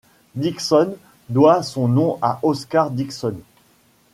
Dikson doit son nom à Oscar Dickson.